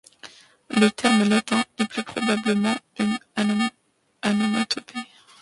Le terme latin est plus probablement une onomatopée.